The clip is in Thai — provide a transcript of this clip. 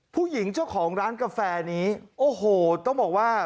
ผู้หญิงเจ้าของร้านกาแฟนี้โอ้โหต้องบอกว่า